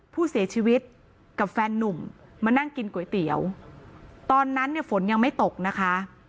ผู้เสียชีวิตกับแฟนนุ่มมานั่งกินก๋วยเตี๋ยวตอนนั้นเนี่ยฝนยังไม่ตกนะคะ